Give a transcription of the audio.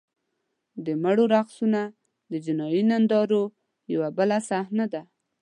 د مړو رقصونه د جنایي نندارو یوه بله صحنه ده.